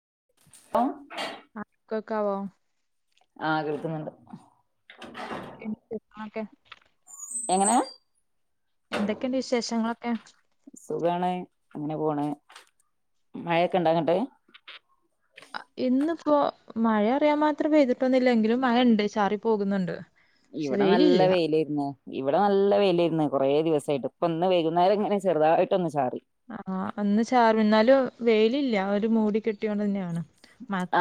[unintelligible] കെക്കാവോ ആഹ കേൾക്ക്ന്നുണ്ട് ആക്ക എങ്ങനെ എന്തൊക്കെയുണ്ട് വിശേഷങ്ങളൊക്കെ സുഖാണ് അങ്ങനെ പോണ് മഴയൊക്കെ ഇണ്ടാാക്കട്ടെ ഇന്ന് ഇപ്പോ മഴ അറിയാൻ മാത്രം പെയ്തിട്ടൊന്നില്ലെങ്കിലും മഴ ഉണ്ട് ചാറി പോകുന്നുണ്ട് പക്ഷെ ഇവിടെ നല്ല വെയിലില്ല വെയില ഇന്ന് ഇവിടെ നല്ല വെയിലിരുന്ന്. കുറേ ദിവസമായിട്ട് ഇപ്പൊന്ന് വൈുന്നേരംങ്ങനെുതായിട്ട് ഒന്ന്ചാറി ആഹ് അന്ന് ചാർ എന്നാലും വെയിലില്ല ഒരു മൂടി കെട്ടിയൊണ്ട് തന്നെയാണ്.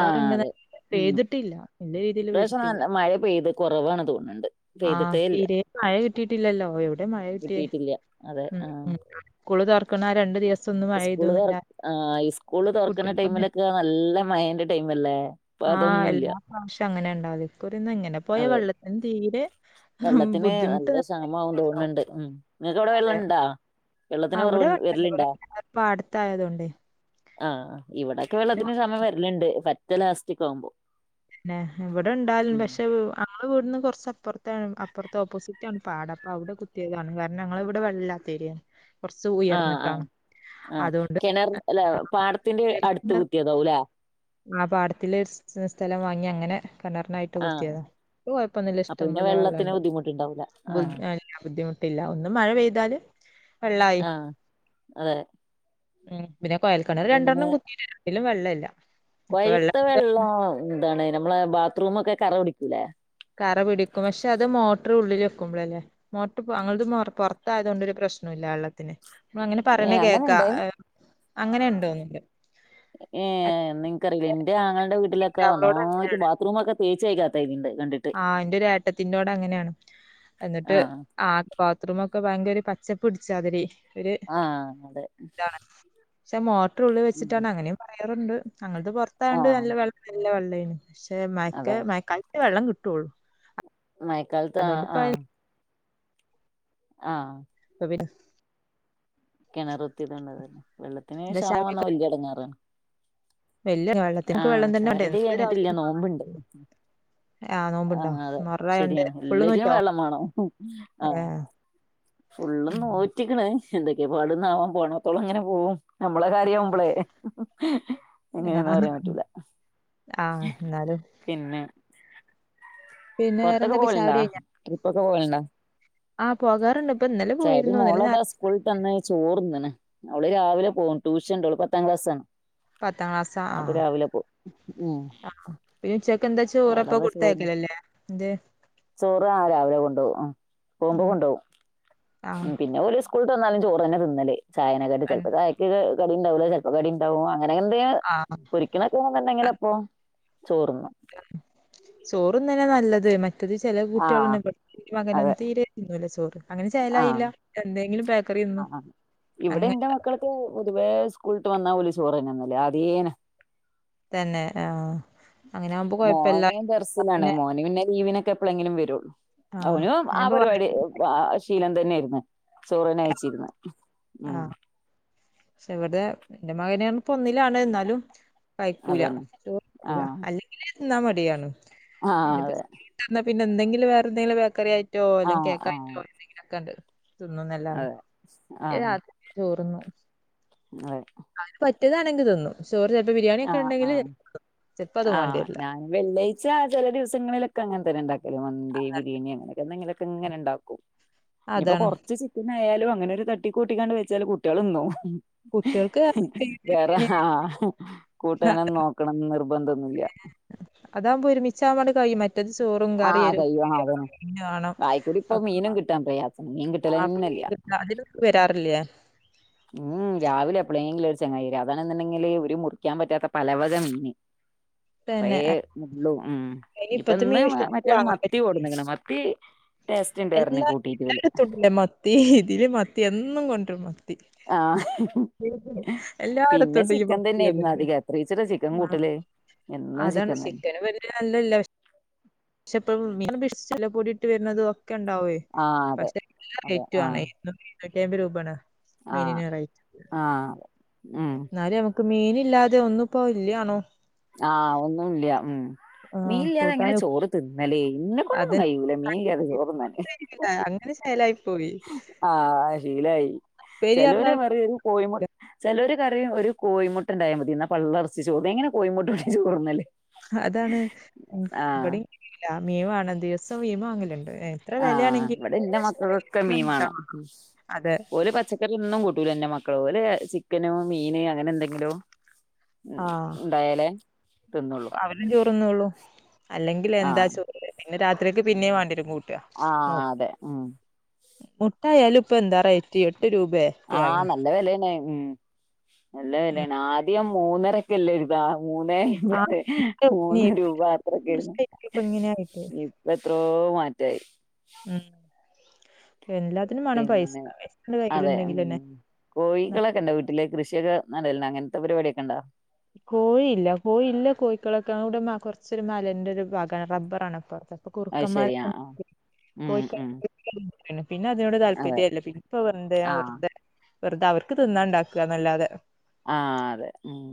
ആഹ് അതെ ഉം പെയ്തിട്ടില്ല. വല്യ രീതിയിൽ ഇപ്രാവശ്യം പെയ്തിട്ടില്ല നല്ല മഴ പെയ്ത്. കുറവാാണ് തോന്നിണോണ്ട് ആ പെയ്തിട്ടേയില്ല തീരെ മഴ കിട്ടിയിട്ടില്ലല്ലോ എവിടെ മഴ കിട്ടിയേ കിട്ടീട്ടില്ല അതെ ഉം ആഹ്‌ ഉം സ്കൂള് തുറക്കണ ആ രണ്ടു ദിവസം ഒന്ന് മഴ സ്കൂള്തോ പെയ്തുന്നല്ലാതെ ആ കുട്ടികൾക്കൊന്നും സ്കൂള്ളൂതൊറക്കണ്ണാടൈയിമില് ഒക്കെനല്ലമഴയുടെടൈമില്ലേ ആ ഇപ്പോയതൊന്നുമില്ല എല്ലാ പ്രാവശ്യം അങ്ങനെ ഉണ്ടാതിറിന്ന് എങ്ങനെ പോയ വെള്ളത്തിന് തീരെ വെള്ളത്തിന് ബുദ്ധിമുട്ട് നല്ലക്ഷാമം തന്നെ. ആവുന്നുതോന്നണുണ്ട് മ് നിനക്ക്വിടെ അതെ വെള്ളണ്ടാ അവിടെ ഉണ്ട് അതോ പോലെ പാടത്തയതൊണ്ട് ആ ഇവിടൊക്കെ വെള്ളത്തിന് സമയ വരലണ്ട് ഏലസ്റ്റിക് ആവുമ്പോൾ പിന്നെ ഇവിടെ ഉണ്ടാലും പക്ഷെ ഞങ്ങളുടെ വീടിന്റെ കുറച്ചപ്പുറതന്നെ അപ്പുറത്തെ ഓപ്പോസിറ്റ ആണ് പാടം അപ്പൊ അവിടെ കുത്തിയതാണ് കാരണം ഞങ്ങള ഇവിടെ വെള്ളല്ലാത്തരിയാണ് ആ ആ ആ അതുകൊണ്ട് കിണർ അല്ല പാടത്തിന്റെ കുഴൽ അടുത്ത് കിണർ കുത്തിയതാവല്ലേ ആ പാടത്തില് സ്ഥലം വാങ്ങി അങ്ങനെ കിണറിനായിട്ട് ആഹ് കുത്തിയതാ കുഴപ്പൊന്നില്ല അപ്പൊ പിന്നെ ഇഷ്ടംപോലെ വെള്ളത്തിന് വെള്ളമുണ്ട് ബുദ്ധിമുട്ടുണ്ടാവൂല ആഹ് ബുദ്ധിമുട്ടില്ല ഒന്നും മഴ പെയ്താലും വെള്ളമായി ആഹ് അതെ ആ പിന്നെ കോയൽക്കണ രണ്ടെണ്ണം കുത്തിട്ടുണ്ട് പിന്നെ വെള്ളമില്ല കൊയ്ത്ത വെള്ളം എന്താണ് നമ്മളെ ബാത്റൂമ ഒക്കെ കറ പിടിക്കൂലേ കറ പിടിക്കും പക്ഷെ അത് മോട്ടർ ഉള്ളിൽ വെക്കുമ്പോള അല്ലേ മോട്ടർ അങ്ങത് പുൊറത്തായത കൊൊണ്ടൊരു പ്രശ്നം ഇല്ല വെള്ളത്തിന് നമ്മൾ അങ്ങനെ ഏ പറയണ കേക്കാ അങ്ങനെണ്ട ഏഹ് അങ്ങനെ ഉണ്ടോന്നുണ്ട് ഏ നിനിക്കറിയില്ല എൻന്റെ ആങ്ങളുടെ വീട്ടിലൊക്കെ വന്നോ അവളോട് അങ്ങനെയാണ് ബാത്റൂമ ഒക്കെ തേച്ച കാത്ത ഇതിണ്ട് ആ അന്റെരേട്ടത്തിറോടെ അങ്ങനെയാണ് എന്നിട്ട് ആഹ് ആ ബാത്റൂമൊക്കെ ഭയങ്കര ഒരു പച്ചപ്പ പിടിച്ച അതില് ആ അതെ ചാമൊത് മോട്ടോർ ഉള്ളിൽ ഉം വച്ചിട്ടാണ് അങ്ങന കറണ്ട് ഞങ്ങൾക്ക് പുറത്താ കൊണ്ട് ആഹ് നല്ല വെള്ളം നല്ല വെള്ളംണ്ട് പക്ഷെ മയ അതെ മയക്കാലത്ത് വെള്ളം കിട്ടും തോള [inaudible] മഴകാലത് ആ ആ ആ അ പിന്ന [inaudible] കിണർ ഒത്തിയത്ണ്ട് അതല്ലെ വെള്ളത്തിന് എന്താ ചായ ക്ഷാമം വലിയ അടങ്ങാറാണ് വല് വെള്ളത്തിനക്ക് വെള്ളം തന്നെ ഉണ്ട് ചായടി എന്ത്വശ്യ കഴിഞ്ഞിട്ടില്ല ആഹ അതെ ശരിയാണ് എല്ലറ്റും നോറ്റോ? വെള്ളം വേണം ആഹ ഏഹ് ഫുുള്ളും നോറ്റിക്കണ് എന്തൊക്കെയാ പാടുന്നാവോ പോണത്തോളം ഇങ്ങനെ പോവും നമ്മളെ കാര്യ വുമ്പോളേ എങ്ങനെയന്നാ ആഹ് പറയാൻ പറ്റൂല ആഹ് എന്നാലും പിന്നെ പിന്നെ പുറത്തൊക്കെ വേറെന്തൊക്കെ പോവലുണ്ടാ ട്രിപ്പൊക്കെ പോവലുണ്ടാ ആഹ പോകാറുണ്ട് ഇപ്പൊ ഇന്നലെ [unintelligible] പോയിരുന്നു ഇന്നലെ ഞാ മോളതാ സ്കൂള് വിട്ട് വന്ന് ചോറ്തിന്നുണ്‌ അവള് രാവിലെ പോവും ടൂഷൻ ഉണ്ട് അവൾ പത്താം ക്ലാസാ പത്താം ക്ലാസ്സാ അപ്പൊ ആഹ് രാവിലെ പോ ആഹ് പിന്നെ ഉച്ചക്ക് എന്താ ചോറപ്പ വളരെ ചോറ് കൊടുത്തയക്കലല്ലേ? എന്ത് ചോറ് ആ രാവിലെ കൊണ്ടുപോകും ആ പോകുമ്പോ ഉം കൊണ്ടു ആഹ് പോകും പിന്നെ ഒരു സ്കൂൾ വിട്ട് വന്നാലും ചോറ് തന്നെ തിന്നല് ചായനെകാട്ടിലും പെൺ ചിലപ്പോൾ ചായക്ക കടി ഉണ്ടാവില്ല ചിലപ്പോൾ കടി ഉണ്ടാവും അ അങ്ങനെ എന്തെ ആഹ് പൊ രിക്കണക്കെന്നുണ്ടെങ്കിൽ അപ്പൊ ചോറുന്നും ചോറ്ന്നന്നെ [unintelligible] മറ്റത് ചില ആ കുട്ടികളൊന്നും എന്റെ അതെ മകനൊന്നും തീരെ തിന്നുല ചോറ് ഒന്നും അങ്ങനെ ആ ചെലായില്ല എന്തെങ്കിലും ആ തിന്നും ഇവിടെ അങ്ങനെ എന്റെ മക്കളൊക്കെ പൊതുവേ സ്കൂൾവിട്ട് വന്നാ ഓല് ചോറ്ന്നല്ലേ ആതേനെ തന്നെ ആഹ മോന് ബസിലാണ് പിന്നെ മോനു പിന്നെ ലീവിനക്കെ എപ്പോഴെങ്കിലും വരുള്ളൂ ആഹ് അവന് ആ അങ്ങനെപ്പ പരിപാടി ശീലം തന്നെയായിരുന്നു ചോറ് കഴിച്ചില്ല ആഹ് പക്ഷെ ഇവടെ എന്റെ മകനെയാണ് ഇപ്പോ ഒന്നിലാണ് എന്നാലും കഴിക്കൂല അതന്നെ ചോറൂല അല്ലെങ്കിലേ എന്നാൽ മടിയാണ് ആഹ്. അതെ. പിന്നെന്തെങ്കിലും വേറെന്തങ്കിലും ബേക്കറി അയി റ്റോ ആ അല്ലെങ്കി ആ കേക്കായിട്ടോ എന്തെിലൊക്കെ ണ്ട്. തിന്നുന്നല്ലാതെ.. അതെ [unintelligible] ആ രാത്രി ചോറ് തിന്നും. അതെ. അവന് പറ്റ്യേതാണെങ്കി ത് ന്നും ആഹ് ആഹ് ചിലപ്പോ അത് വേണ്ടി ആഹ് വരില്ല ഞങ്ങ വെള്ളിയാഴ്ച ചെല ദിവസങ്ങളിലൊക്കങ്ങനെ തന്നെണ്ടാ ക്കല് മന്തി, ബിരിയാണി അങ്ങനെക്കെ എന്തെങ്കിലൊക്കെ ത്ങ്ങനെണ്ടാക്കും. ഇഞ്ഞ്പ്പോ അതാണ് കൊറച്ച് ചിക്കനായാലും ങ്ങനൊര് തട്ടി കൂട്ടിങ്ങാണ്ട് വെച്ചാല് കുട്ട്യാള് ന്നും. കുട്ടികൾക്ക് വേറെ പിന്നെ ആ കൂട്ടാനും നോക്കണം നിർബന്തോന്നുല്യാ അതാവുമ്പം ഒരുമിച്ചാവുമ്പൻണ്ട് കയും മറ്റത് ചോറും ആഹ് കറിം കയ്യും ആഹ് അതന്നെ വായിക്കൂടി ഇപ്പൊ മീനും കിട്ടാൻ പ്രയാസാണ് മീൻ കിട്ടലന്നെല്ല [unintelligible] മ് രാവിലെ എപ്പളേങ്കിലും ഒര് ചെങ്ങായി വെരും അതാണെങ്കില് ഒര് മുറിക്കാൻ പറ്റാത്ത പലവക മീന് കൊറേ പിന്നെ മുള്ളും ഉം ഇപ്പത്തെ ഇപ്പന്ന് മീൻ വിശ്വസിച്ച് മറ്റേ ആള് വാങ്ങാൻ മത്തി പറ്റില്ല കൊട്ന്ന്ക്ക്ണ് മത്തി ടേസ്റ്റ് ഇണ്ട് പറഞ്ഞ് എല്ലാ കൂട്ടിട്ട് ഇവല് എല്ലായിടത്തുണ്ട്ല്ലേ മത്തി ഇതിലീം മത്തി എന്നും കൊണ്ട് [unintelligible] ത്തി ആഹ് പിന്നെ എല്ലായിടത്തൂണ്ട് ഈ ചിക്കൻ മത്തി തന്നെയായിരുന്നു തോന്ന്ൻണ്ട് അധികം എത്രീച്ചെടാ ചിക്കൻ ആ കൂട്ടല് എന്നും അതാണ് ചിക്കൻ തന്നെ ചിക്കനും [unintelligible] [unintelligible] ക്കെണ്ടാവേ ആഹ് അതെ പക്ഷെ നല്ല അതെ റേയ്റ്റാണെ ആഹ് [unintelligible] നൂറ്റയ്ബ് രൂപേണ്. ആഹ് മീനിന് റെയ്റ്റ് ആഹ് ഉം ന്നാലും [unintelligible] മീന്ല്ലാതെ ഒന്നുപ്പോ ഇല്ല്യാണും ആ ഒന്നൂല്ല മ് മീൻ ആഹ് ഇല്ലാതെങ്ങനെ കൂട്ടാന് ചോറ് തിന്നല് ഇന്നെ കൊണ്ടൊന്നും അതന്നെ കഴൂല മീൻല്ലാതെ ചോറ് [unintelligible] അങ്ങനെ ചേലായി ആഹ് ശീലായി ഉപ്പേരി ചെലോര് പറഞ്ഞാ പറയും ഒര് കോഴിമുട്ട് ചെലോല് കറീം ഒരു കോഴമുട്ടണ്ടായ മതി എന്നാ പള്ളറച്ച് ചോറ് എങ്ങനെ കോഴിമുട്ടകൊണ്ട് ചോറ്ന്നല് അതാണ് ആഹ് ഇവടീം കയൂല മീം വാണം [unintelligible] ആഹ് ഇവടെ ഒരു ന്റെ കഷ്ണം കൈയില് മക്കക്കൊക്കെ കിട്ടാൻ മീവാണം വേണം അതെ ഓല് പച്ചക്കറി ഒന്നും കൂട്ട് കൂട്ടൂലന്റെ മക്കള് ഓല ചിക്കനോ മീന് അങ്ങനെന്തങ്കിലും ആഹ് തിന്നുള്ളൂ അവനും ചോറ്ന്നുള്ളൂ അല്ലെങ്കിൽ എന്താ ആഹ് ചോറ് ന്നെ രാത്രിയക്ക് പിന്നേം വാണ്ട്യേരും കൂട്ട് ആഹ് നോക്കാ അതെ ഉം മുട്ടായാലും ഇപ്പ എന്താ റെയിറ്റ് എട്ട് രൂപേ ഒക്കെ ആഹ് ആയിണ് നല്ല വെലയാണ് ഉം നല്ല വെലയാണ് ആദ്യം മൂന്നരക്കെ അല്ലേ [unintelligible] മുന്നേ ഉം അയിമ്പത് മൂന്ന് രൂപ അത്രയെക്കായ്രുന്നു ഇപ്പ ഇങ്ങനെ ആയിട്ട് ഇപ്പ എത്രോ മാറ്റ് ദേയ് ഉം എല്ലാത്തിനും വേണം പൈസ പിന്നെ പൈസണ്ട് അതെ ഉം കയ്യിലുണ്ടെങ്കിലെന്നെ കോഴികളൊക്കെണ്ടാേ വീട്ട്ല് കൃഷിയൊക്കെ നടൽണ്ടോ അങ്ങൻത്തെ പര്പാട്യൊക്കെണ്ടോ? കോഴില്ല കോഴി ഇല്ല കോയ്ക്കളൊക്കെ അവ്ടെ മ കൊർച്ചൊരു മലൻന്റൊരു ഭാഗാ റബ്ബറാണ് അപ്പർത്ത് അപ്പൊ അത് ശരി കുറ്ക്കന്മാരൊക്കെ ആഹ് ആഹ് [unintelligible] ഉം കോഴിക്ക ഉം [unintelligible] പിന്നെ അതിനോട് അതെ താല്പര്യേല്ല പിന്നെപ്പാെവെന്ത്നാ ആഹ് വെർതെ വെർതെ അവർക്ക് തിന്നാണ്ടാക്കന്നല്ലാതെ ആ അതെ ഉം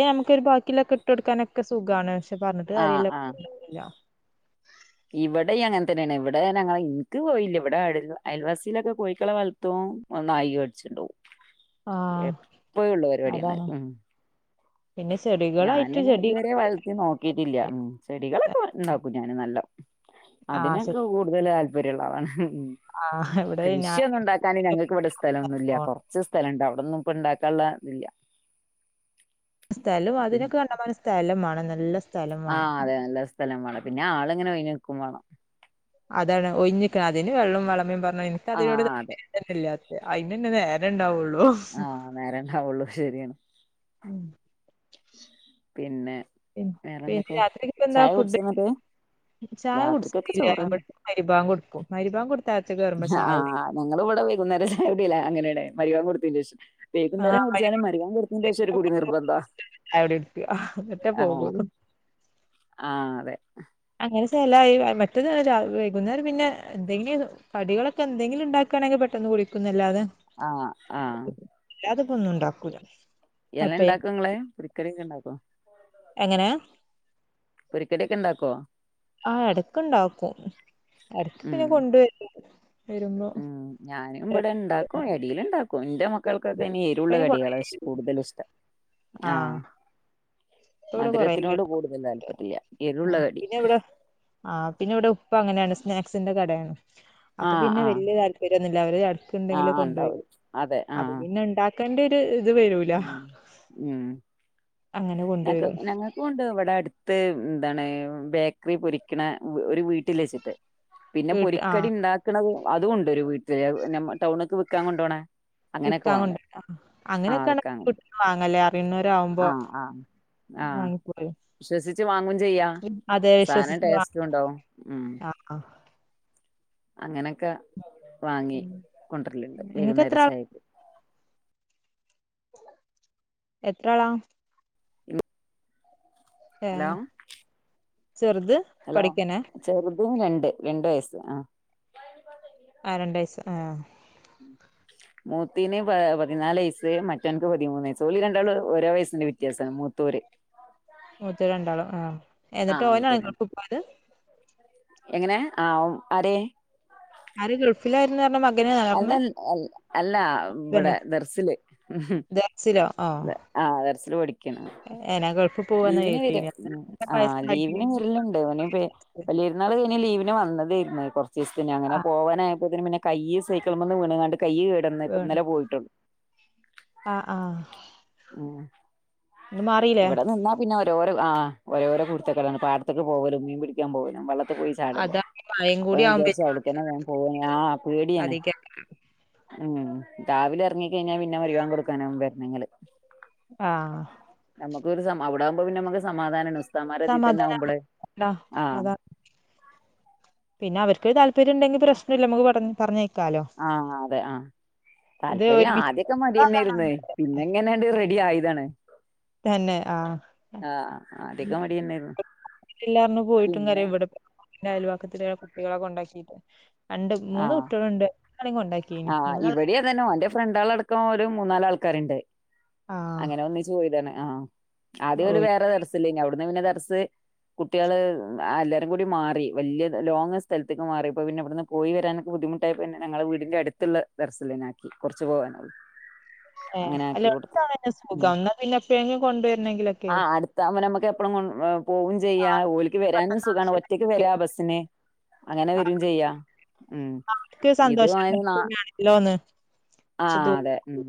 ഞമ്മക്കാെര് ബാക്കില്ലെക്കെ ഇട്ടാെട്ക്കാനൊക്കെ സുഖാണ് ഷ് പർഞ്ഞ്ട്ട് കാര്യല്ല [unintelligible] ല്ലാ ഇവടിം അങ്ങൻതന്നെയാണ് ഇവ്ടെ ഞാനങ്ങൾ ഇൻക്ക് കോഴില്ല ഇവ്ടെ അ അയൽവാസീലൊക്കെ കോഴിക്കളെ വള്ത്തും അത് നായി കട്ച്ചാെണ്ടോകും ആഹ് എപ്പള്ള അതാണ് പര്പാട്യാണത് ഉം പിന്നെ ചെടികളായിട്ട് ഞാന് ഇത് ചെടികൾ വരെ വള്ർത്തി നോക്കീട്ടില്ല്യ ഉം ചെടികളൊക്കെ വളര്ണ് ണ്ടാവും കുഞ്ഞാന് നല്ലോം ആഹ് അതിനൊക്കെ ശരി കൂട്തൽ ആ പ്പര്ള്ളതാണ് ഹും ആഹ് ഇവിടെ ഞാൻ കൃഷിയൊന്നുണ്ടാക്കാന് ഞങ്ങൾക്ക് ഇവ്ടെ സ്ഥലൊന്നുല്ല്യ കൊർച്ച് സ്ഥലണ്ട് അവ് ടൊന്നും ഇപ്പ ഇണ്ടാക്കാൻള്ള ഇതില്ല. സ്ഥലം അതിനൊക്കെ കണ്ടമാനം സ്ഥലം മാണം നല്ല സ് ആഹ് അതെ അല്ല നല്ല സ് സ്ഥലം വേണം. പിന്നെ ആള് ഇങ്ങനെ ഓയ്ഞ് നിക്കും വേണം. അതാണ് ഒഴിഞ്ഞിക്കണം അതിന് വെള്ളവും വളമയും പ നിനക്കതിനോട് ആഹ് അതെ താല്പര്യം ഇല്ലാത്തത് അതിന്‌ തന്നെ നേ രണ്ടാവുള്ളു ആ നേരം ഉണ്ടാവുള്ളു ശരിയാണ് ഉം. പിന്നെ പിന്നെ വേറെന്തൊക്കെയാ രാത്രിക്കിപ്പോ എന്താ ചായ ഫുഡ് കുടിച്ചോ എന്നിട്ട് ചായ രാത്രിക്കൊക്കെ കുടിച്ചിട്ടില്ല ഇവിടെ മരിബാങ്ക് കൊടുക്കും മരിബാങ്ക് കൊടു ആ ഞങ്ങൾ ഇവിടെ വൈകുന്നേരം ചായ കുടിയില്ല അങ്ങനെയാണ് മരിബാങ്ക് കൊ ടുത്തതിന്‌ ശേഷം ആഹ് വൈകുന്നേരം മഗ്‌രിബാങ്ക് കുടിച്ചാലും മരുബാങ്ക് കൊടുത്തിന്റെ ശേഷം ഒരു കൊടുത്താ കുടി നിർബന്ധാ ചായ കുടി കുടിക്കുക എന്നിട്ടേ ആ പോകുള്ളൂ ആ അതെ പിന്നെ ചില മറ്റേത് വൈകുന്നേരം പിന്നെ എന്തെങ്കിലും കടികളൊക്കെ എന്തെങ്കിലും ഉണ്ടാക്കുകവാണെങ്കിൽ പെട്ടെന്ന് കുടിക്കുന്ന് അല്ലാതെ ആ ആ അല്ലാതിപ്പൊന്നും ഉണ്ടാക്കൂല എല്ലാ അപ്പ ഇണ്ടാക്കും ഇങ്ങള് പുരിക്കറിയൊക്കെ ഉണ്ടാക്കുവൊ ഇപ്പം എങ്ങനെ കടിയൊക്കെ ഉണ്ടാക്കുവോ ആ ഇടക്കുണ്ടാക്കും ഇടക്ക് ഉം പിന്നെ കൊണ്ടുവരും വരുമ്പോ ഉം ഞാനും ഇവിടെ ഇപ്പ ഉണ്ടാക്കും എടീൽ ഇണ്ടാക്കും എന്റെ മ ക്കൾക്കൊക്കെ ഇനി എരുവുള്ള അയിന് കൊറേ കടികളാ കൂടുതല് ഇഷ്ടം ആ ഇപ്പോ ഇവിടെ കൊറേ ഉണ്ടാരുന്നു താല്പര്യല്ല എരുള്ള ആ കടി പിന്നെ ഇവിടെ ആ പിന്നെ ഇവിടെ ഉപ്പ അങ്ങനെയാണ് സ്നാക്സിൻ്റെ കടയാണ് അപ്പൊ ആഹ് പിന്നെ ആഹ് വല്യ താല്പര്യമൊന്നുല്ല അവര് അടുക്കുണ്ടെങ്കില് ആഹ് ഇണ്ടാവൂല കൊണ്ടുവരും അതെ അപ്പൊ ആഹ് പിന്നെ ഉണ്ടാ ക്കണ്ട ഒരു അത് വരൂല ഉം അങ്ങനെ കൊണ്ട് ഞങ്ങൾക്കുമുണ്ട് ഇവിടെ അടുത്ത് എന്താണ് ബേക്കറി പൊരിക്കണ ഒരു വീട്ടിൽ വെച്ചിട്ട് പിന്നെ വീട്ട് പൊരിക്കടി ആഹ് ഉണ്ടാക്കണത് അതുമുണ്ട് ഒരു വീട്ടില് ഞമ്മ ടൗണിക്ക് വിക്കാൻ കൊണ്ടോണെ വിക്കാൻ കൊണ്ടോണെ ആ അങ്ങനെ വിൽക്കാൻ അങ്ങനൊക്കെയാണെങ്കിൽ വീട്ടീന്ന് വാങ്ങല്ലേ അറിയുന്നോര് ആവുമ്പോ ആഹ് ആഹ് ആഹ് വാങ്ങിപ്പോയി വിശ്വസിച്ച് വാങ്ങും ചെയ്യാ അതെ സാധനം വിശ്വസിച്ചു ടേസ്റ്റും വാങ്ങാം ഉണ്ടാവും ആ ആ അങ്ങനെയൊക്കെ വാങ്ങി കൊണ്ടരലുണ്ട് നിങ്ങക്ക് എത്ര വൈകുന്നേരം ആളാ ചായയ്ക്ക് എത്ര ആളാ ഏഹ് ഹലോ ചെറുത് പഠിക്കനെ ഇതും രണ്ട് രണ്ട് വയസ്സ് ആഹ് ആ രണ്ടു വയസ്സ് ആ മൂത്തിന് പ പതിനാല് വയസ്സ് മറ്റവനക്ക് പതിമൂന്ന് വയസ് ഓള് രണ്ടാളും ഓരോ വയസ്സിന്റെ വ്യത്യാസമാണ് മൂത്തൊരു. മൂത്തോരണ്ടാളും ആ ആ എന്നിട്ട് മൂത്തേ ഓനാണ് [unintelligible] എങ്ങനെ ആ ആരെ ആര് ഗൾഫിലായിരുന്നുന്ന്റഞ്ഞ മ അല്ല ല്ലാ അല്ല ഹസ്ബൻഡോ ഇവിടെ ദർസില്. ദർസിലോ ആഹ് ആ ദർസില് പടിക്കേണ്. ഏനാ ഗൾഫ് പോവാന്ന് ലീവിന് വരും കേട്ടീനി ആ ലീവിന് വയസ്സായിട്ടില്ല വരലുണ്ട് ഓന് വ വല്യപെരുന്നാൾ കഴിഞ്ഞ ലീവിന് ഞാൻ വന്നതേയിരുന്നെ കുറ സ് പിന്നെ അങ്ങനെ പോകാനായപ്പത്തേനും പിന്നെ കൈയ്യ് സൈക്ളീമിന്നു വീണങ്ങാണ്ട് കൈ കെടന്നിട്ട് ഇന്നലെ പോയിട്ടു അ ആ ഉം ഇവിടെ നിന്നാ പിന്നെയവർ ഓരോ ആ ഓരോരോ കുരുത്തക്കേടാണ് പാടത്തേക്ക് പോവലും മീൻ പിടിക്കൻ പോവലും വള്ളത്ത്‌ പോയി ചാടൂലെ അതാ മഴയും അപ്പൊ കൂടി ഞാൻ വിചാരിച്ച ആവുമ്പോഴേക്കും അവിടുതന്നെ ഞാൻ പോ ആ പേടിയാണ്. അധികം മ്മ് രാവിലെ ഇറങ്ങി കഴിഞ്ഞാ പിന്നെ വെള്ളം കൊടുക്കാനോ വരണങ്ങള് ആ നമുക്ക് ഒരു സമാ അവിടാകുമ്പോ പിന്നെനമുക്ക് സമാധാനമാണ് ഉസ്താമാരെ ഇതിൽ തന്നെ സമാധാന [unintelligible] ആവുമ്പോളെ അ ആഹ് അതാ പിന്നെ അവർക്ക്‌ താല്പര്യ പേരു ഉണ്ടെിൽ പ്രശ്നമില്ല നമുക്ക് പറ പറഞ്ഞയക്കാം ആ അതെ ആ ഇത് താല്പര്യം ഒരുമിച്ച് ആദ്യക്കെ മടിതന്ന്യേരുന്നു പിന്നെ എങ്ങനെയണ്ട് റെഡി ആയി താണ് തന്നെ ആ ആദ്യൊക്കെ മടി തന്നെയായിരുന്നു ഇല്ല പോയിട്ടും പിന്നെ കാര്യല്ല ഇവിടെ അയലുവക്കത്തി കുട്ടികളെ കൊണ്ടാക്കിയിട്ട് രണ്ട് മൂന്ന് ആഹ് കുട്ടികളുണ്ട് രണ്ടാളേം കൊണ്ടാക്കിയിന് മൂന്ന ഒക്കെ വരും മൂന്നാനാല് ആൾക്കാരുണ്ട്. ആഹ് അങ്ങനെ ഒന്നിച്പോയ്താണ് ആ ആദ്യ ഓൽ വേറെ വേറെസലേനു പിന്നെ പിന്നെ ദർസ് കുട്ടികൾ എല്ലാവാരും കൂടി മാറി വല്യ ലോങ്ങ് സ്ഥലത്തേക് മാറി ഇപ്പ പിന്നെ ഇവിടുന്നു പോയി വരാനൊക്കെ ബുദ്ധിമുട്ടായിപ്പോന്നെ ഞങ്ങളെ വീടിന്റെ അടുത്തുള്ള ദർസിൽ തന്നെ ആക്കി കുറച്ച് പോകാനുള്ളൂ. ഏഹ് അങ്ങനെ അല്ല ആക്കി കൊടുത്തു. ഓൽക്കതന്നെ മ്മ് സുഖം എന്നാ പിന്നെ എപ്പഴെങ്കിലും കൊണ്ടുവരണെങ്കിലൊക്കെ ആ അടുത്താവുമ്പോ നമുക്ക് എപ്പഴും പോകും ചെയ്യ ആഹ് ഓളിക്ക് വരാനും പെട്ടെന്ന് സുഖമാണ് ഒറ്റക്ക് ആവശ്യണ്ടെങ്കിലൊക്കെ വരാ ബസ്സിന് അങ്ങനെ വരേം ചെയ്യാ. ഉം അവർക്ക് ഇത് സന്തോഷം വാങ്ങുന്ന ആണല്ലോന്ന് പക്ഷെ ആഹ് തോ അതെ ഉം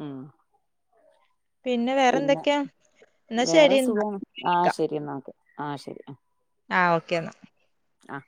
ഉം പിന്നെ എന്നാ ശരി വേറെ എന്നാ സുഖം ആഹ ശരി ന ഒക്കെ. ആഹ ശരി. ആഓക്കേ എന്നാ. ആഹ